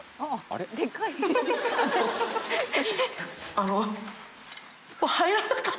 あの。